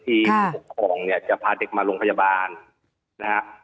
ผู้ปกครองเนี่ยจะพาเด็กมาโรงพยาบาลนะฮะ